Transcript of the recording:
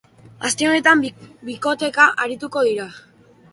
Aste honetan, bikoteka arituko dira.